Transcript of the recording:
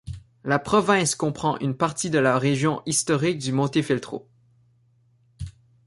La province comprend une partie de la région historique du Montefeltro.